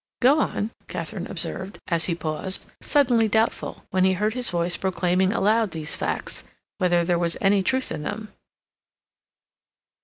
"Go on," Katharine observed, as he paused, suddenly doubtful, when he heard his voice proclaiming aloud these facts, whether there was any truth in them.